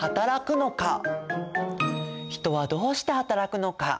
人はどうして働くのか。